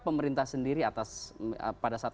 pemerintah sendiri atas pada saat